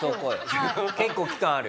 結構期間あるよ。